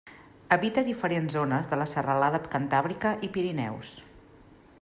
Habita diferents zones de la Serralada Cantàbrica i Pirineus.